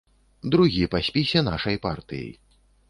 Другі па спісе нашай партыі.